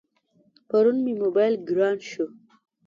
پرون مې موبایل گران شو.